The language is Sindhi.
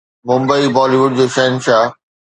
ممبئي بالي ووڊ جو شهنشاهه